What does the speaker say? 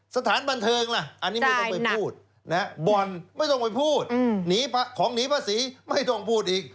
สถานบันเทิงล่ะอันนี้ไม่ต้องไปพูดบ่อนไม่ต้องไปพูดหนีของหนีภาษีไม่ต้องพูดอีก